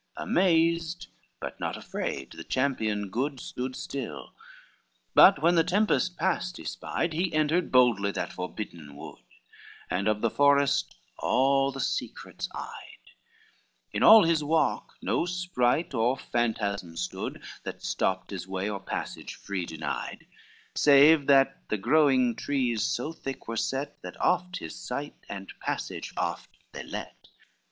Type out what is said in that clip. XXXVII Amazed but not afraid the champion good Stood still, but when the tempest passed he spied, He entered boldly that forbidden wood, And of the forest all the secrets eyed, In all his walk no sprite or phantasm stood That stopped his way or passage free denied, Save that the growing trees so thick were set, That oft his sight, and passage oft they let.